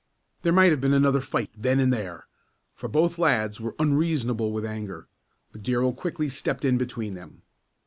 There might have been another fight then and there, for both lads were unreasonable with anger, but Darrell quickly stepped in between them.